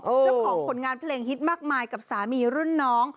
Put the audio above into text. เจ้าของผลงานเพลงฮิตมากมายกับสามีรุ่นน้อง